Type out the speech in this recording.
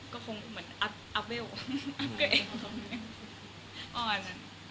ก็คงเหมือนอัพเวล